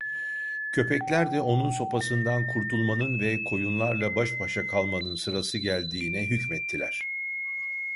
Köpekler de onun sopasından kurtulmanın ve koyunlarla baş başa kalmanın sırası geldiğine hükmettiler.